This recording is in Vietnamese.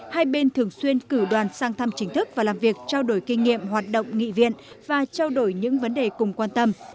hai bên thường xuyên cử đoàn sang thăm chính thức và làm việc trao đổi kinh nghiệm hoạt động nghị viện và trao đổi những vấn đề cùng quan tâm